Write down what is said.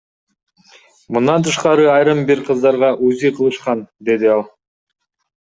Мындан тышкары айрым бир кыздарга УЗИ кылышкан, — деди ал.